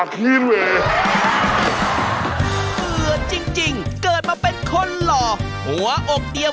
ฮึอุ๊ย